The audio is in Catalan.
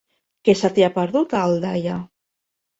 Què se t'hi ha perdut, a Aldaia?